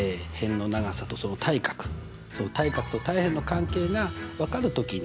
その対角と対辺の関係が分かる時にね